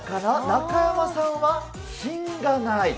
中山さんは、ひんがない。